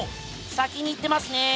先に行ってますね。